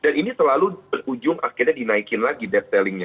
dan ini selalu berujung akhirnya dinaikin lagi debt ceilingnya